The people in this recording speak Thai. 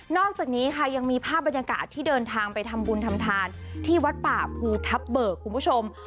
อกจากนี้ค่ะยังมีภาพบรรยากาศที่เดินทางไปทำบุญทำทานที่วัดป่าภูทับเบิกคุณผู้ชม